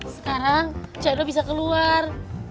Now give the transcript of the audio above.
sekarang cik edo bisa keluar